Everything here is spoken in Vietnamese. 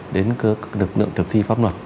đến các lực lượng thực thi pháp luật